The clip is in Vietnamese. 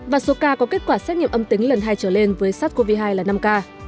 và số ca có kết quả xét nghiệm âm tính lần hai trở lên với sars cov hai là năm ca